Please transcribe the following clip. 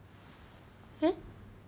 えっ？